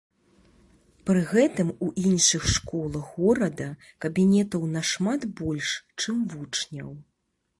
Пры гэтым у іншых школах горада кабінетаў нашмат больш, чым вучняў.